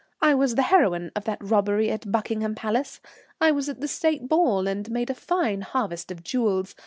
I was the heroine of that robbery at Buckingham Palace. I was at the State Ball, and made a fine harvest of jewels.